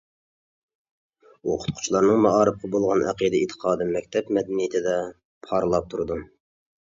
ئوقۇتقۇچىلارنىڭ مائارىپقا بولغان ئەقىدە-ئېتىقادى مەكتەپ مەدەنىيىتىدە پارلاپ تۇرىدۇ.